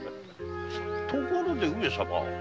ところで上様。